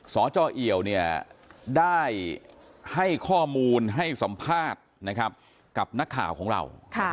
สจเอี่ยวเนี่ยได้ให้ข้อมูลให้สัมภาษณ์นะครับกับนักข่าวของเรา